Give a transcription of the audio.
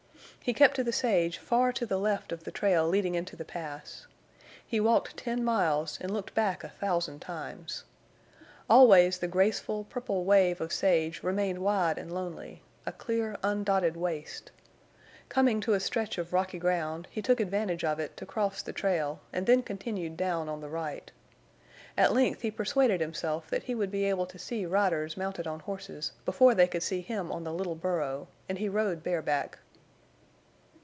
He kept to the sage far to the left of the trail leading into the Pass. He walked ten miles and looked back a thousand times. Always the graceful, purple wave of sage remained wide and lonely, a clear, undotted waste. Coming to a stretch of rocky ground, he took advantage of it to cross the trail and then continued down on the right. At length he persuaded himself that he would be able to see riders mounted on horses before they could see him on the little burro, and he rode bareback.